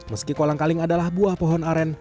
meski kolang kaling adalah buah pohon aren